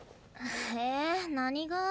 ええ何が？